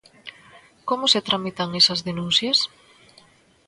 ¿Como se tramitan esas denuncias?